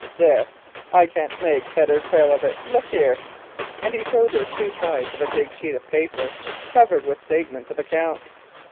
There, I can't make head or tail of it. Look here," and he showed her two sides of a big sheet of paper covered with statements of accounts.